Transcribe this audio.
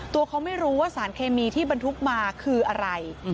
ตัวเขาไม่รู้ว่าสารเคมีที่บรรทุกมาคืออะไร